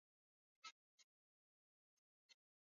likiendelea kusubiriwa licha ya mgombea mmoja